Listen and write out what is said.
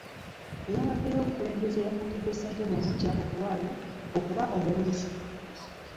Eyawaddeyo obukulembeze yakuutidde Ssentebe omuggya okuba omuwulize